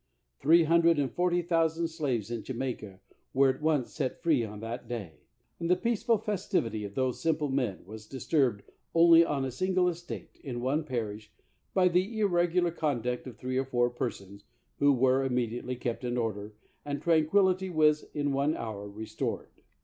Three hundred and forty thousand slaves in Ja maica were at once set free on that day, and the peaceful festivitx^ of those simple men was dis turbed only on a single estate, in one parish, by the irregular conduct of three or four persons, who were immediately kept in order, and tran quillitj^ was in one hour restored.